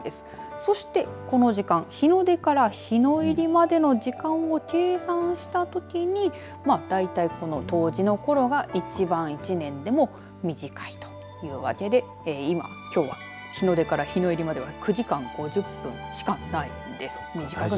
そしてこの時間、日の出から日の入りまでの時間を計算したときにだいたい、この冬至のころが一番一年でも短いというわけできょうは日の出から日の入りまでは９時間５０分しかないんです。